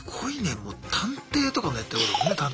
もう探偵とかのやってることだもんね。